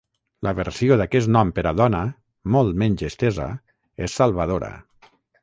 La versió d'aquest nom per a dona, molt menys estesa, és Salvadora.